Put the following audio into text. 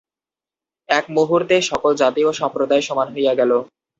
এক মুহূর্তে সকল জাতি ও সম্প্রদায় সমান হইয়া গেল।